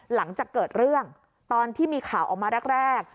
หลังจากเกิดเรื่องตอนที่มีข่าวออกมาแรก